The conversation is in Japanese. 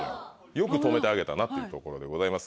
よく止めてあげたなっていうところでございます。